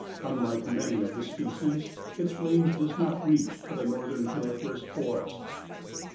Unlike many of the species its range does not reach to the northern coniferous forests.